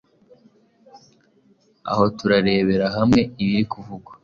aha turarebera hamwe ibiri kuvugwa